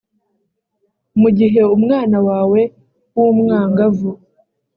mu gihe umwana wawe w’umwangavu